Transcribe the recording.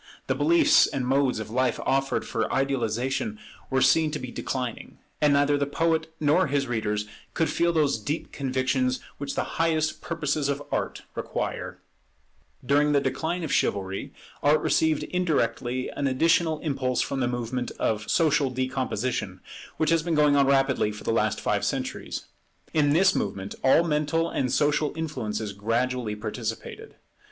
The beliefs and modes of life offered for idealization were seen to be declining: and neither the poet nor his readers could feel those deep convictions which the highest purposes of Art require. [Much less in modern times] During the decline of Chivalry, Art received indirectly an additional impulse from the movement of social decomposition which has been going on rapidly for the last five centuries. In this movement all mental and social influences gradually participated.